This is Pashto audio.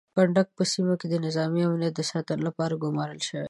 کنډک په سیمه کې د نظامي امنیت د ساتنې لپاره ګمارل شوی دی.